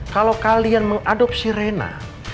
kalau kalian mengadopsi rena